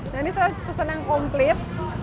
nah ini saya pesan yang komplit